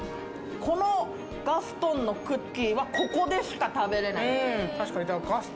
このガストンのクッキーはここでしか食べられない。